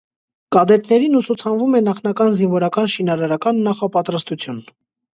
Կադետներին ուսուցանվում է նախնական զինվորական շինարարական նախապատրաստություն։